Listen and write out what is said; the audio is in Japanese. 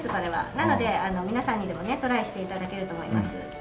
なので皆さんにでもねトライして頂けると思います。